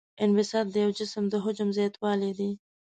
انبساط د یو جسم د حجم زیاتوالی دی.